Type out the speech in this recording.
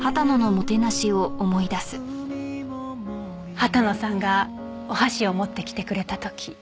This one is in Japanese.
羽田野さんがお箸を持ってきてくれた時。